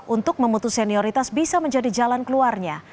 untuk memutus senioritas bisa menjadi jalan keluarnya